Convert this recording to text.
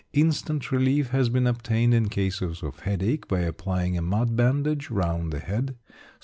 Instant relief has been obtained in cases of headache by applying a mud bandage round the head.